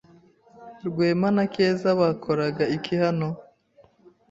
Rwema na Keza bakoraga iki hano?